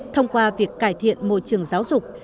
thông qua việc cải thiện môi trường giáo dục